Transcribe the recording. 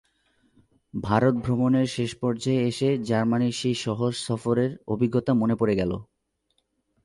ভারত ভ্রমণের শেষ পর্যায়ে এসে জার্মানির সেই শহর সফরের অভিজ্ঞতা মনে পড়ে গেল।